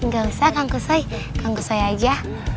gak usah kang kusoy kang kusoy aja